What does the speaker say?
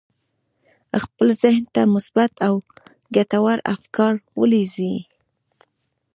خپل ذهن ته مثبت او ګټور افکار ولېږئ